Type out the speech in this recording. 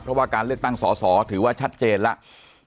เพราะว่าการเลือกตั้งสอสอถือว่าชัดเจนแล้ว